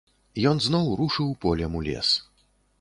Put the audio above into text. Ён зноў рушыў полем у лес.